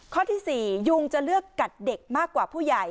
ข้อที่๔ยุงจะเลือกกัดเด็กมากกว่าผู้ใหญ่